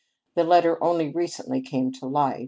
The letter only recently came to light.